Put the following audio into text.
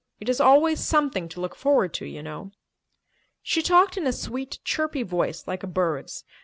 It is always something to look forward to, you know." She talked in a sweet, chirpy voice like a bird's.